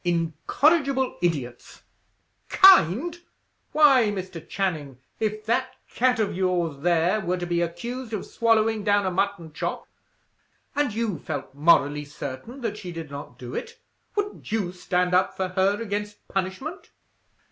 Incorrigible idiots! Kind! Why, Mr. Channing, if that cat of yours there, were to be accused of swallowing down a mutton chop, and you felt morally certain that she did not do it, wouldn't you stand up for her against punishment?"